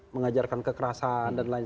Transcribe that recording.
mengajarkan kekerasan dan lain